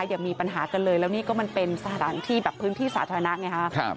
อย่ามีปัญหากันเลยแล้วนี่ก็มันเป็นสถานที่แบบพื้นที่สาธารณะไงฮะ